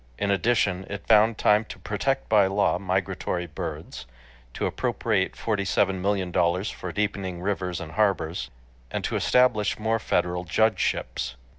In addition, it found time to protect by law migratory birds, to appropriate forty seven million dollars for deepening rivers and harbors, and to establish more federal judgeships.